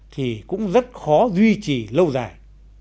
thì cũng rất khó duy trì lâu dài